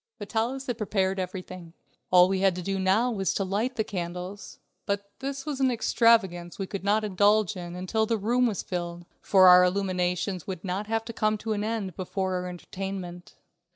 Vitalis had prepared everything. All we had to do now was to light the candles, but this was an extravagance that we could not indulge in until the room was filled, for our illuminations would not have to come to an end before our entertainment.